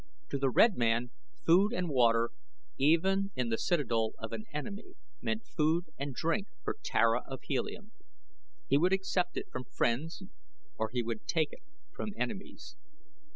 To the red man food and water, even in the citadel of an enemy, meant food and drink for Tara of Helium. He would accept it from friends or he would take it from enemies.